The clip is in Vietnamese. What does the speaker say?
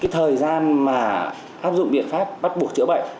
thời gian mà áp dụng biện pháp bắt buộc chữa bệnh